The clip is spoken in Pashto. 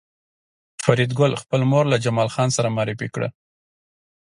فریدګل خپله مور له جمال خان سره معرفي کړه